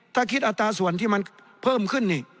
ถ้าคิดอัตราส่วนที่มันเพิ่มขึ้นนี่